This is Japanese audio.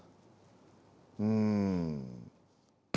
うん。